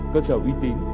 cơ sở uy tín